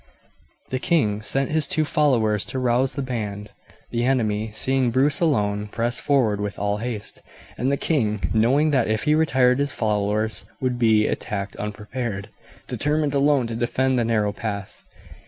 The king sent his two followers to rouse the band. The enemy, seeing Bruce alone, pressed forward with all haste; and the king, knowing that if he retired his followers would be attacked unprepared, determined alone to defend the narrow path.